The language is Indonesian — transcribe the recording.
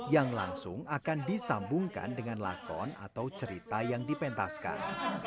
yang langsung akan disambungkan dengan lakon atau cerita yang dipentaskan